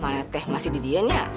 mana teh masih didianya